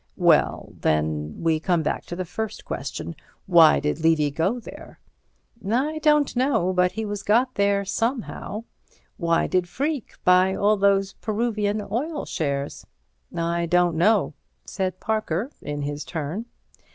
"Well, then, we come back to the first question: Why did Levy go there?" "I don't know, but he was got there somehow. Why did Freke buy all those Peruvian Oil shares?" "I don't know," said Parker in his turn.